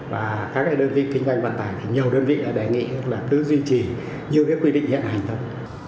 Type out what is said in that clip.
và các cái đơn vị kinh doanh vận tải thì nhiều đơn vị đề nghị là cứ duy trì như cái quy định hiện hành thôi